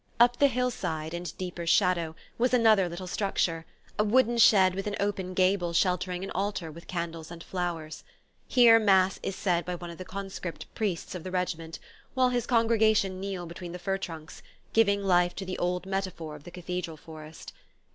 Up the hillside, in deeper shadow, was another little structure; a wooden shed with an open gable sheltering an altar with candles and flowers. Here mass is said by one of the conscript priests of the regiment, while his congregation kneel between the fir trunks, giving life to the old metaphor of the cathedral forest.